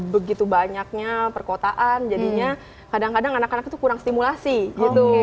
begitu banyaknya perkotaan jadinya kadang kadang anak anak itu kurang stimulasi gitu